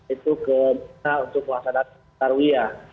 itu ke nah untuk penghasilan tarwiyah